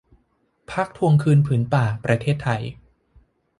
พรรคทวงคืนผืนป่าประเทศไทย